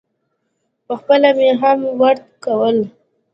پخپله مې هم ورد کول.